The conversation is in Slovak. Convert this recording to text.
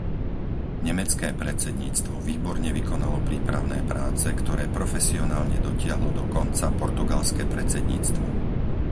Nemecké predsedníctvo výborne vykonalo prípravné práce, ktoré profesionálne dotiahlo do konca portugalské predsedníctvo.